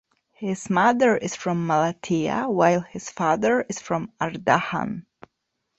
His mother is from Malatya while his father is from Ardahan.